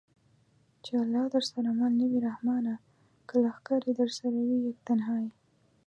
چې الله درسره مل نه وي رحمانه! که لښکرې درسره وي یک تنها یې